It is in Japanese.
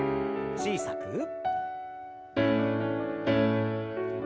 小さく。